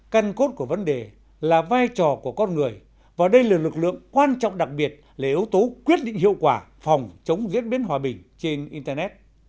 căn cốt của vấn đề là vai trò của con người và đây là lực lượng quan trọng đặc biệt là yếu tố quyết định hiệu quả phòng chống diễn biến hòa bình trên internet